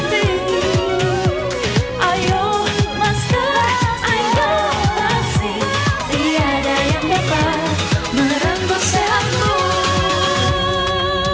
terima kasih atas perhatian saya